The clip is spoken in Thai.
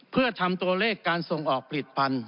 เพื่อทำตัวเลขการส่งออกผลิตภัณฑ